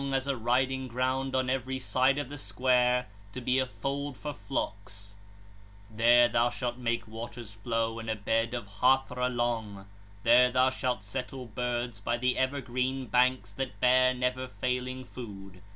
as a riding ground on every side of the square, to be a fold for flocks. 26 (65). There thou shalt make waters flow in a bed a hâthra long; there thou shalt settle birds, by the ever green banks that bear never failing food.